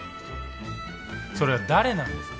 それは誰なんですか？